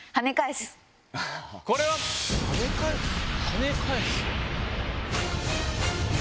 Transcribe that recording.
跳ね返す？